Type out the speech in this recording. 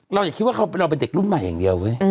อย่าคิดว่าเราเป็นเด็กรุ่นใหม่อย่างเดียวเว้ย